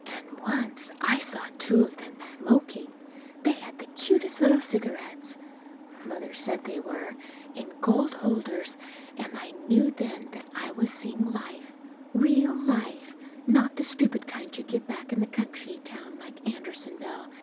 And once I saw two of them smoking. They had the cutest little cigarettes (Mother said they were) in gold holders, and I knew then that I was seeing life real life; not the stupid kind you get back in a country town like Andersonville.